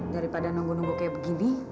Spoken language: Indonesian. daripada nunggu nunggu kayak begini